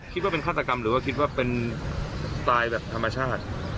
คิดว่าเป็นฆาตกรรมหรือว่าคิดว่าเป็นตายแบบธรรมชาติ